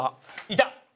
いた！